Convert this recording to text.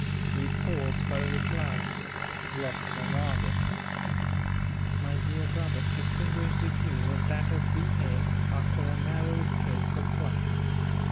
We pause for a reply. Gloucester Argus." My dear brother's distinguished degree was that of B.A. after a narrow escape from pluck.